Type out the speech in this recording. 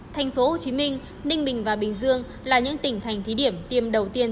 thành phố hồ chí minh ninh bình và bình dương là những tỉnh thành thí điểm tiêm đầu tiên